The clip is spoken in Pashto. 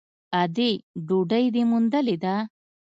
_ادې ! ډوډۍ دې موندلې ده؟